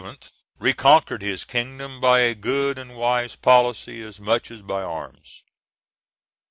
] Charles VII. reconquered his kingdom by a good and wise policy as much as by arms.